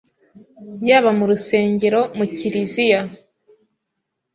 yaba mu rusengero, mu kiriziya